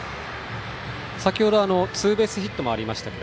先程ツーベースヒットもありました。